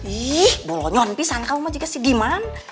ih bolonyon pisang kamu mah juga sidiman